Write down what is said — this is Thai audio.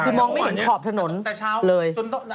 คือมองไม่เห็นขอบถนนเลย